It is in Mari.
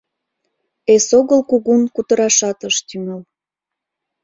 Эсогыл кугун кутырашат ыш тӱҥал.